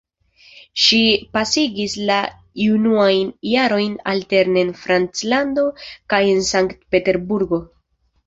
Ŝi pasigis la junajn jarojn alterne en Franclando kaj en Sankt Peterburgo.